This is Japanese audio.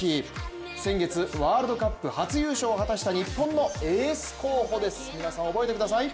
先月、ワールドカップ初優勝を果たした小野光希です、皆さん覚えてください。